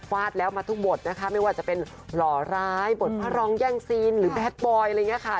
ฟาดแล้วมาทุกบทนะคะไม่ว่าจะเป็นหล่อร้ายบทพระรองแย่งซีนหรือแทดบอยอะไรอย่างนี้ค่ะ